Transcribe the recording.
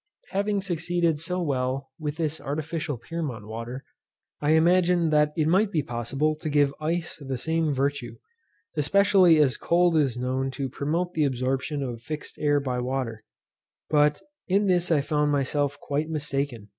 Having succeeded so well with this artificial Pyrmont water, I imagined that it might be possible to give ice the same virtue, especially as cold is known to promote the absorption of fixed air by water; but in this I found myself quite mistaken.